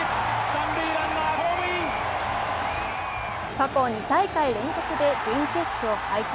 過去２大会連続で準決勝敗退。